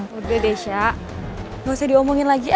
oke desha gak usah diomongin lagi ya